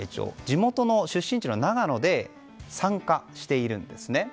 地元の出身地の長野で参加しているんです。